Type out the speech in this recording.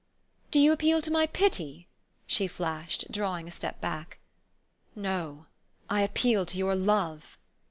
" Do you appeal to my pity ?" she flashed, draw ing a step back. " No. I appeal to your love."